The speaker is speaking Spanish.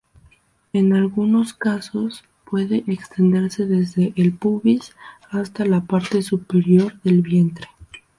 En algunos casos puede extenderse desde el pubis hasta la parte superior del vientre.